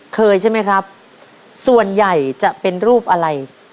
ใช่ไหมครับส่วนใหญ่จะเป็นรูปอะไร